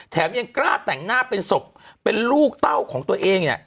ยังกล้าแต่งหน้าเป็นศพเป็นลูกเต้าของตัวเองเนี่ย